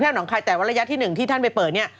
นี่น้องคลายแต่ว่าระยะที่หนึ่งที่ท่านไปเปิดนี่